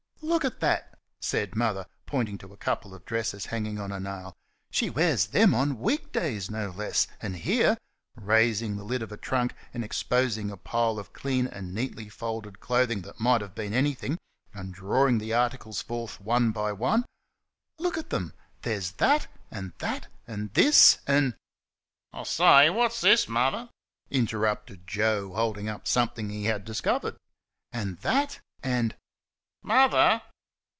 "Look at that!" said Mother, pointing to a couple of dresses hanging on a nail "she wears THEM on week days, no less; and here" (raising the lid of a trunk and exposing a pile of clean and neatly folded clothing that might have been anything, and drawing the articles forth one by one) "look at them! There's that and that and this and " "I say, what's this, Mother?" interrupted Joe, holding up something he had discovered. "And that an' " "Mother!"